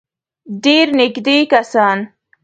ډېر نېږدې کسان.